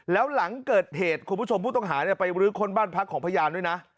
แล้วหลังเกิดเหตุคุณผู้ชมผู้ต้องหาไปรื้อค้นบ้านพักของพยานด้วยนะ